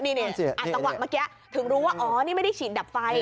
นี่จังหวะเมื่อกี้ถึงรู้ว่าอ๋อนี่ไม่ได้ฉีดดับไฟ